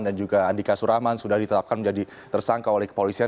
dan juga andika suraman sudah ditetapkan menjadi tersangka oleh kepolisian